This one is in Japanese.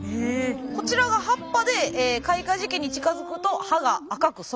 こちらが葉っぱで開花時期に近づくと葉が赤く染まります。